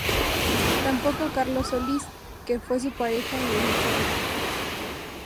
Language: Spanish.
Tampoco Carlos Solís, que fue su pareja en los ochenta.